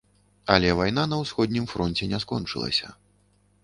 Але вайна на ўсходнім фронце не скончылася.